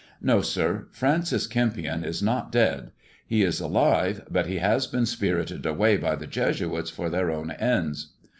No, sir, Francis Kempion is not dead ! He is alive, but he has been spirited away by the Jesuits for their own ends."